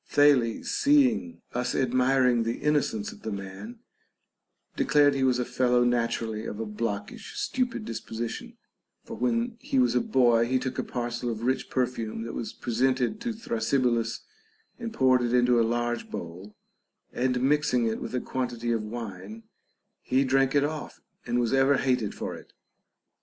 Thales, seeing us admiring the innocence of the man, declared he was a fellow naturally of a blockish, stupid disposition ; for when he was a boy, he took a par cel of rich perfume that was presented to Thrasybulus and poured it into a large bowl, and mixing it with a quantity of wine, he drank it off and was ever hated for it.